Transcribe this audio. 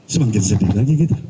semakin sedih lagi kita